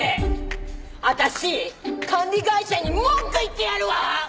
私管理会社に文句言ってやるわ！